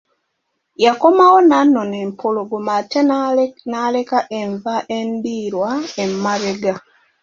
Yakomawo n'anona empologoma ate n'aleka enva endiirwa emabega.